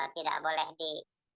tidak boleh di